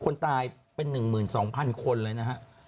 คนตายเป็น๑๒๐๐คนเลยนะฮะ